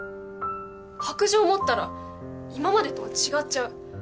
白杖持ったら今までとは違っちゃう。